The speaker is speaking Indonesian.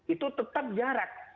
itu tetap jarak